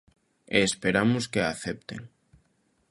E esperamos que a acepten.